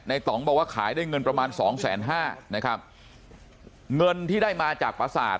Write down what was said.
ต่องบอกว่าขายได้เงินประมาณสองแสนห้านะครับเงินที่ได้มาจากประสาท